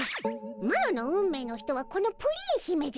マロの運命の人はこのプリン姫じゃ！